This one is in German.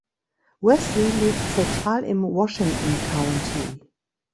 Wesley liegt zentral im Washington County.